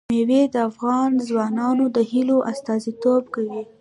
مېوې د افغان ځوانانو د هیلو استازیتوب کوي.